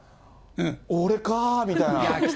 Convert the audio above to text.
俺かーみたいな。